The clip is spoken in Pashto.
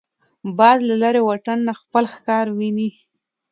باز له لرې واټنه خپل ښکار ویني